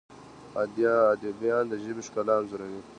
ادیبان د ژبې ښکلا انځوروي.